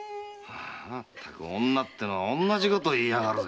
女ってのは同じことを言いやがる。